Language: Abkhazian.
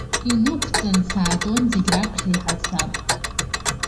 Инықәҵан саатәон зегь раԥхьа иҳасаб.